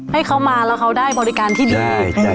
ให้เขามาแล้วเขาได้บริการที่ดี